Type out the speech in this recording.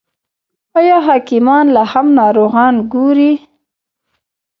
آیا حکیمان لا هم ناروغان ګوري؟